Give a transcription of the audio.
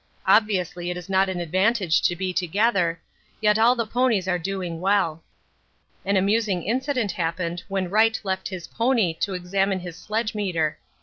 Obviously it is not an advantage to be together, yet all the ponies are doing well. An amusing incident happened when Wright left his pony to examine his sledgemeter.